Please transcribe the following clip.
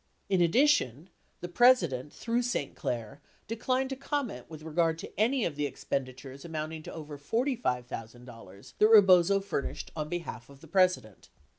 In addi tion, the President through St. Clair declined to comment with regard to any of the expenditures amounting to over $45,000 that Rebozo furnished on behalf of the President.